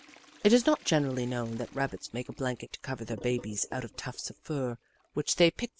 It is not generally known that Rabbits make a blanket to cover their babies out of tufts of fur which they pick from themselves.